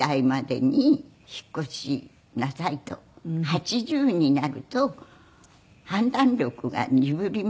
「８０になると判断力が鈍ります」って。